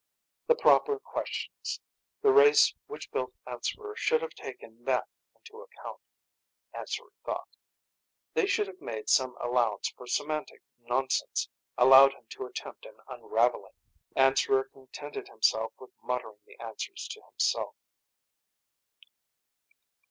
The proper questions. The race which built Answerer should have taken that into account, Answerer thought. They should have made some allowance for semantic nonsense, allowed him to attempt an unravelling. Answerer contented himself with muttering the answers to himself.